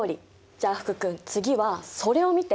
じゃあ福君次はそれを見て。